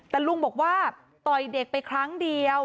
แต่ลุงบอกว่าต่อยเด็กไปครั้งเดียว